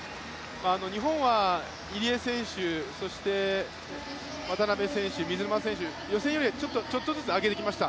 日本は入江選手、そして渡辺選手水沼選手、予選よりはちょっとずつ上げてきました。